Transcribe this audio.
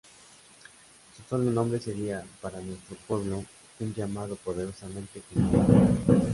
Su solo nombre sería, para nuestro pueblo, un llamado poderosamente conmovedor"".